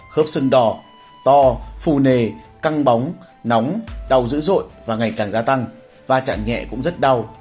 khớp sưng đỏ to phù nề căng bóng nóng đau dữ dội và ngày càng gia tăng và chẳng nhẹ cũng rất đau